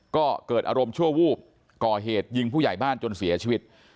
ก็เกิดอารมณ์ชั่ววูบก่อเหตุยิงผู้ใหญ่บ้านจนเสียชีวิต